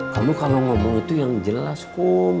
kamu kalau ngomong itu yang jelas hukum